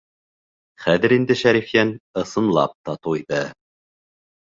Хәҙер инде Шәрифйән, ысынлап та, «туйҙы».